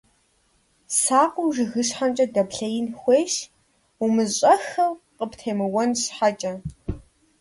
Сакъыу жыгыщхьэмкӀэ дэплъеин хуейщ, умыщӀэххэу къыптемыуэн щхьэкӀэ.